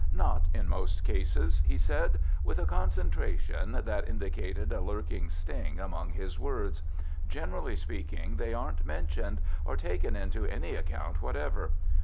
"Not in most cases," he said, with a concentration that indicated a lurking sting among his words. "Generally speaking, they aren't mentioned or taken into any account whatever.